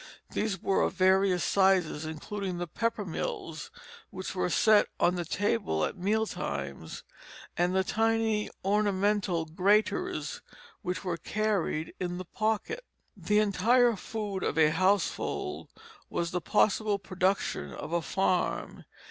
These were of various sizes, including the pepper mills, which were set on the table at meal times, and the tiny ornamental graters which were carried in the pocket. The entire food of a household was the possible production of a farm.